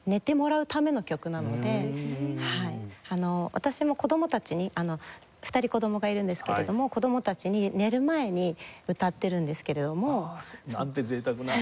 私も子供たちに２人子供がいるんですけれども子供たちに寝る前に歌ってるんですけれども。なんて贅沢な。